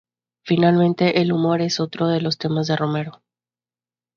Finalmente el humor es otro de los temas en Romero.